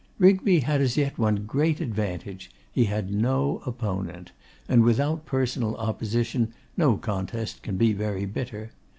Rigby had as yet one great advantage; he had no opponent; and without personal opposition, no contest can be very bitter.